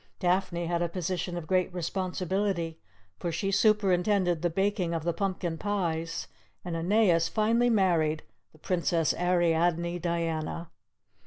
Daphne had a position of great responsibility, for she superintended the baking of the pumpkin pies, and Aeneas finally married the Princess Ariadne Diana.